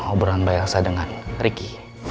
obrolan mbak elsa dengan riki